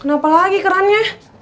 kenapa lagi kerannya